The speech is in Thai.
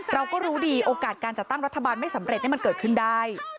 เราก็รู้ดีโอกาสการจัดตั้งรัฐบาลไม่สำเร็จมันเกิดขึ้นได้